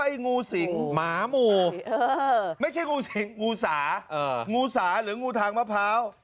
ไอ้นงูสิงหมามูไม่ใช่งูส่างูส่าหรืองูถังมะพร้าว